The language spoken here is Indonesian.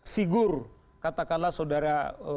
figur katakanlah saudara